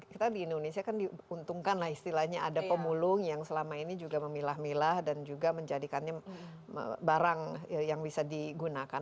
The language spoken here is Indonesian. kita di indonesia kan diuntungkan lah istilahnya ada pemulung yang selama ini juga memilah milah dan juga menjadikannya barang yang bisa digunakan